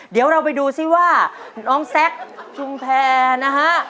เดี๋ยวเราไปดูซิว่าน้องแซคชุมแพรนะฮะ